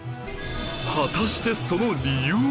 果たしてその理由は？